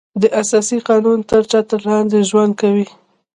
د اساسي قانون تر چتر لاندې ژوند کوي.